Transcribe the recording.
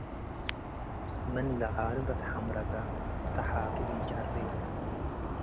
ምን ለዓሉ ለትሐምረገ ተሓቱ ኢጨሬ።